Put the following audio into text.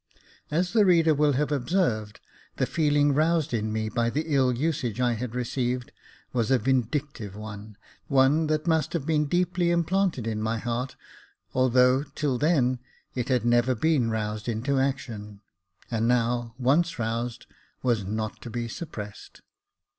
As the reader will have observed, the feeling roused in me by the ill usage I had received was a vindictive one — one that must have been deeply implanted in my heart, although, till then, it had never been roused into action, and now, once roused, was not to be suppressed.